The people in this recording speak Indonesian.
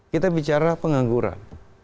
kita bicara pengangguran